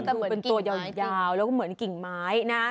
ดูเป็นตัวยาวแล้วก็เหมือนกิ่งไม้นะ